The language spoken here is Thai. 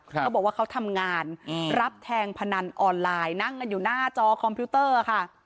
เขาบอกว่าเขาทำงานรับแทงพนันออนไลน์นั่งกันอยู่หน้าจอคอมพิวเตอร์ค่ะ